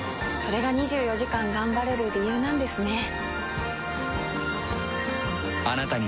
れが２４時間頑張れる理由なんですね。